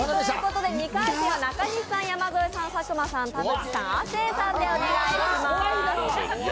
２回戦は中西さん、山添さん、佐久間さん、田渕さん亜生さんでお願いします。